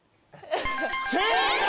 正解！